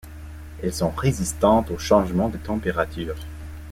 Elles sont résistantes aux changements de température.